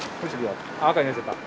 赤になっちゃった。